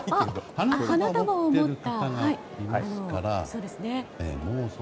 あ、花束を持った。